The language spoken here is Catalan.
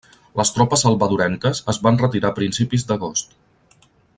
Les tropes salvadorenques es van retirar a principis d'agost.